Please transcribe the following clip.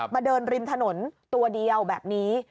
เดินริมถนนตัวเดียวแบบนี้